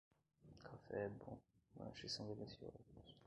Café é bom, lanches são deliciosos.